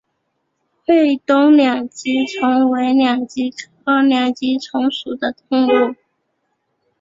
会东两极虫为两极科两极虫属的动物。